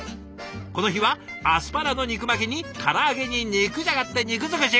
この日はアスパラの肉巻きにから揚げに肉じゃがって肉尽くし！